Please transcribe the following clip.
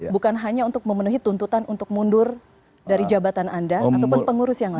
bukan hanya untuk memenuhi tuntutan untuk mundur dari jabatan anda ataupun pengurus yang lain